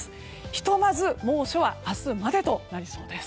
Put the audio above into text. ひとまず、猛暑は明日までとなりそうです。